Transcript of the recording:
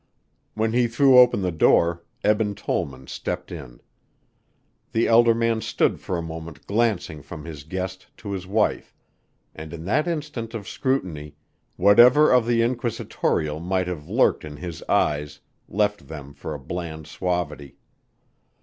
When he threw open the door, Eben Tollman stepped in. The elder man stood for a moment glancing from his guest to his wife, and in that instant of scrutiny whatever of the inquisitorial might have lurked in his eyes left them for a bland suavity.